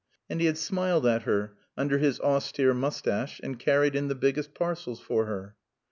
And he had smiled at her under his austere moustache, and carried in the biggest parcels for her.